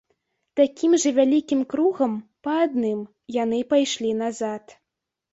Такім жа вялікім кругам, па адным, яны пайшлі назад.